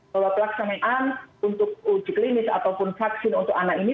bahwa pelaksanaan untuk uji klinis ataupun vaksin untuk anak ini